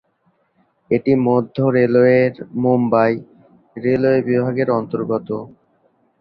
এটি মধ্য রেলওয়ের মুম্বই রেলওয়ে বিভাগের অন্তর্গত।